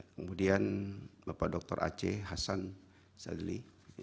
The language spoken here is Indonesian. kemudian bapak dr aceh hasan sadli